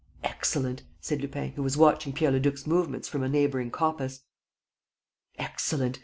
"Excellent!" said Lupin, who was watching Pierre Leduc's movements from a neighboring coppice. "Excellent!